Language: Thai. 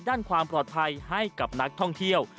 ด้านความปลอดภัยให้กับนักท่องเที่ยว